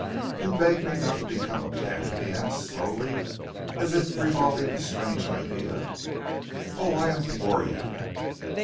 "You beg me not to become a bandit?" he asked, slowly, as if revolving a strange idea. "Oh, I implore you!"